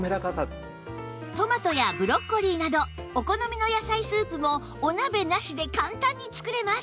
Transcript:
トマトやブロッコリーなどお好みの野菜スープもお鍋なしで簡単に作れます